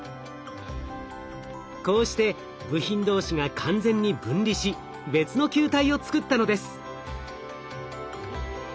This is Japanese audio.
こうして部品同士が完全に分離し別の球体を作ったのです。